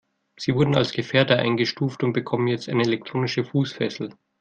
Sie wurden als Gefährder eingestuft und bekommen jetzt eine elektronische Fußfessel.